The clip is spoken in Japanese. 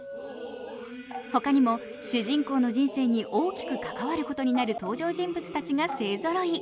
他にも、主人公の人生に大きく関わることになる登場人物たちが勢ぞろい。